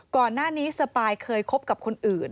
ก่อนหน้านี้สปายเคยคบกับคนอื่น